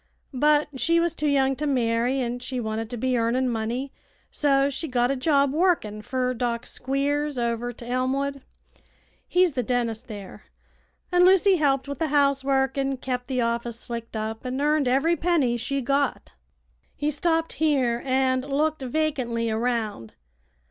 But she was too young to marry, an' she wanted to be earnin' money; so she got a job workin' fer Doc Squiers, over to Elmwood. He's the dentist there, an' Lucy helped with the housework an' kept the office slicked up, an' earned ev'ry penny she got." He stopped here, and looked vacantly around.